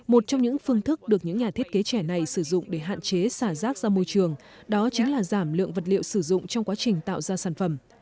một trong những phương thức được những nhà thiết kế trẻ này sử dụng để hạn chế xả rác ra môi trường đó chính là giảm lượng vật liệu sử dụng trong quá trình tạo ra sản phẩm